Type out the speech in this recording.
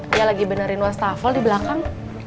dia lagi benerin wastafel di belakang